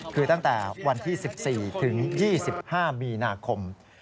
คือตั้งแต่วันที่๑๔ถึง๒๕มีนาคม